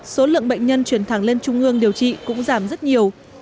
số lượng bệnh nhân chuyển thẳng lên trung ương điều trị cũng giảm rất nhiều